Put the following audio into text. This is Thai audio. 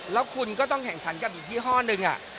แล้วคุณก็ต้องแข่งขันกับอีกยี่ห้อหนึ่ง